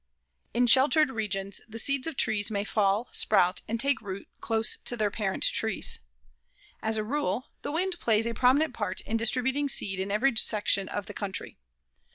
In sheltered regions the seeds of trees may fall, sprout and take root close to their parent trees. As a rule, the wind plays a prominent part in distributing seed in every section of the country.